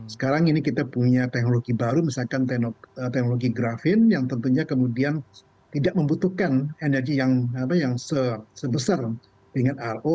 sekarang ini kita punya teknologi baru misalkan teknologi grafin yang tentunya kemudian tidak membutuhkan energi yang sebesar dengan ro